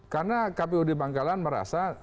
karena kpud bangkalan merasa